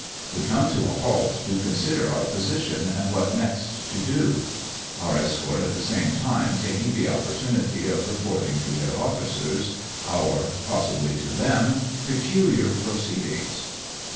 We come to a halt to consider our positiorij and what next to do ; our escort at the same time taking the opportunity of reporting to their officers, our, possibly to them, peculiar proceedings.